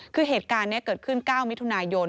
คือเหตุการณ์นี้เกิดขึ้น๙มิถุนายน